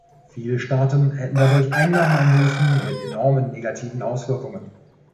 Viele Staaten hätten dadurch Einnahmeeinbußen mit enormen negativen Auswirkungen.